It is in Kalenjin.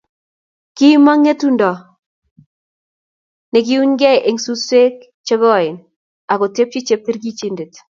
Kimong ngetundo nekiunyekei eng suswek che koen akotepchi cheptikirchet